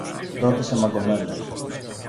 ρώτησε μαγκωμένος.